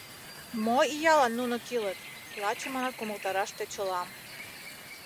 — Мо иялан нуно кӱлыт?! — лачымынак умылтараш тӧчылам.